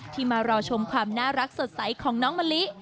มารอชมความน่ารักสดใสของน้องมะลิ